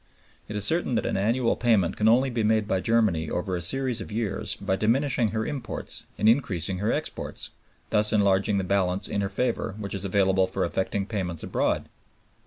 It is certain that an annual payment can only be made by Germany over a series of years by diminishing her imports and increasing her exports, thus enlarging the balance in her favor which is available for effecting payments abroad.